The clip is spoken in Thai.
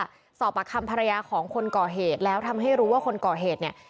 อเรนนี่หะสอบปรักษณ์ภรรยาของคนก่อเหตุแล้วทำให้รู้ว่าคนก่อเหตุเนี่ย